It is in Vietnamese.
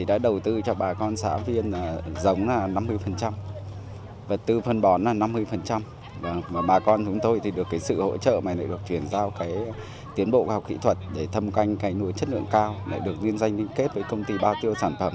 để tiến bộ vào kỹ thuật để thâm canh cái lúa chất lượng cao để được duyên danh liên kết với công ty bao tiêu sản phẩm